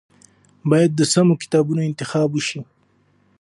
باید د سمو کتابونو انتخاب وشي.